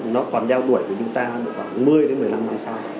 nó còn đeo đuổi với chúng ta được khoảng một mươi đến một mươi năm năm sau